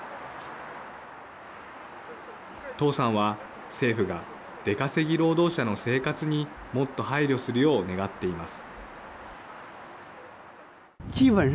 董さんは政府が出稼ぎ労働者の生活にもっと配慮するよう願っています。